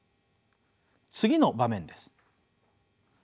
次の場面です。